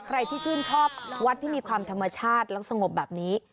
ใครที่ชื่นชอบวัดที่มีความธรรมชาติและสงบแบบนี้